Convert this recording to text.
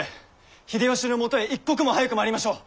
秀吉のもとへ一刻も早く参りましょう！